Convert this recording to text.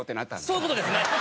そういう事ですね。